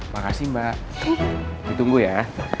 makasih mbak ditunggu ya